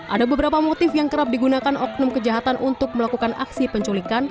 ada beberapa motif yang kerap digunakan oknum kejahatan untuk melakukan aksi penculikan